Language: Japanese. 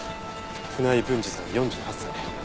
船井文治さん４８歳。